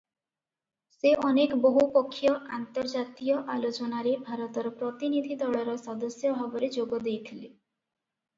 ସେ ଅନେକ ବହୁପକ୍ଷୀୟ ଆନ୍ତର୍ଜାତୀୟ ଆଲୋଚନାରେ ଭାରତର ପ୍ରତିନିଧି ଦଳର ସଦସ୍ୟ ଭାବରେ ଯୋଗଦେଇଥିଲେ ।